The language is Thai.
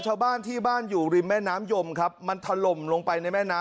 ชาวบ้านที่บ้านอยู่ริมแม่น้ำยมครับมันถล่มลงไปในแม่น้ำ